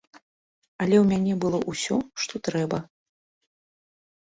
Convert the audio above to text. Але ў мяне было ўсё, што трэба.